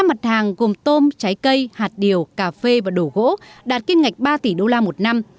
năm mặt hàng gồm tôm trái cây hạt điều cà phê và đồ gỗ đạt kim ngạch ba tỷ đô la một năm